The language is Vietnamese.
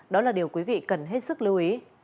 đó là điều quý vị cần hết sức lưu ý